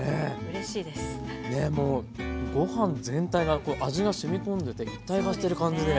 もうご飯全体が味がしみ込んでて一体化してる感じで。